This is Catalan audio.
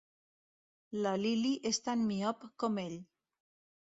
La Lily és tan miop com ell.